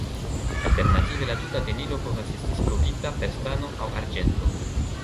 Alternative la tuta tenilo povas estis kovrita per stano aŭ arĝento.